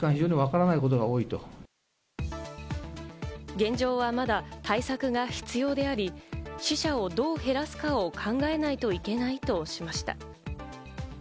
現状はまだ対策が必要であり、死者をどう減らすかを考えないといけないとしました。